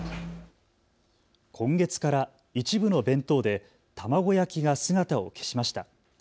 今月から一部の弁当で卵焼きが姿を消しました。